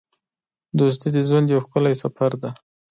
دوستي د ژوند یو ښکلی سفر دی.